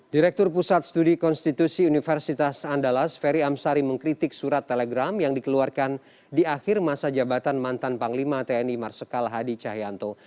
direktur pusat studi konstitusi universitas andalas ferry amsari mengkritik surat telegram yang dikeluarkan di akhir masa jabatan mantan panglima tni marsikal hadi cahyanto